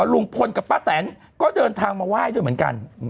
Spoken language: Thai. ลุงพลกับป้าแตนก็เดินทางมาไหว้ด้วยเหมือนกัน